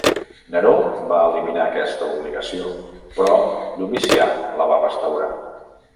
Neró va eliminar aquesta obligació però Domicià la va restaurar.